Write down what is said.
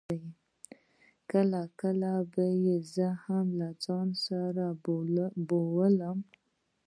کله کله به يې زه هم له ځان سره بېولم.